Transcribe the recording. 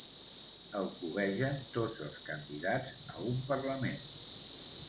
El cobegen tots els candidats a un Parlament.